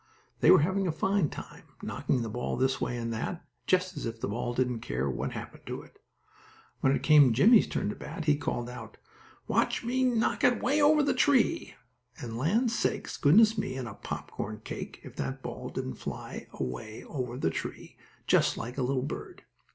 They were having a fine time, knocking the ball this way and that, just as if the ball didn't care what happened to it. When it came Jimmie's turn to bat, he called out: "Watch me knock it away over the tree," and land sakes, goodness me and a pop corn cake! if that ball didn't fly away over the tree, just like a little bird.